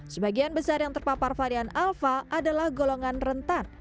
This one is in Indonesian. sebagian besar yang terpapar varian alpha adalah golongan rentan